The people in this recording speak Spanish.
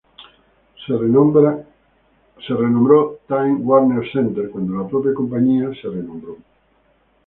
Se renombró Time Warner Center cuando la propia compañía se renombró.